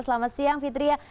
selamat siang fitria